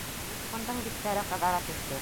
Митхундың биттәре ҡыҙара төштө.